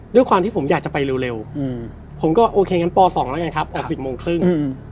ด้วยความที่ผมอยากจะไปเร็วผมก็โอเคงั้นป๒แล้วกันครับออก๑๐โมงครึ่ง